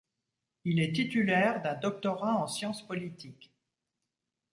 Il est titulaire d'un doctorat en sciences politiques.